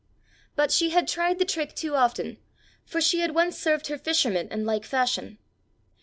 But she had tried the trick too often, for she had once served her fisherman in like fashion.